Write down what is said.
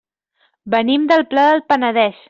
Venim del Pla del Penedès.